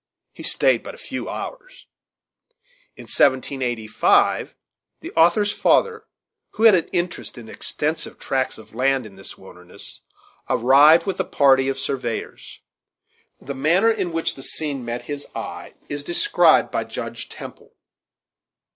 He stayed but a few hours. In 1785 the author's father, who had an interest in extensive tracts of land in this wilderness, arrived with a party of surveyors. The manner in which the scene met his eye is described by Judge Temple.